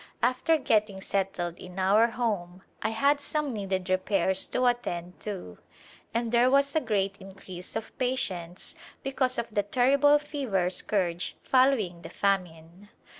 After getting settled in our home I had some needed repairs to attend to, and there was a [i'9] A Glimpse of India great increase of patients because of the terrible fever scourge following the famine.